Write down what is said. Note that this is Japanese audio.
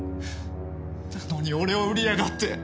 なのに俺を売りやがって！